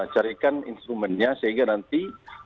carikan instrumennya sehingga nanti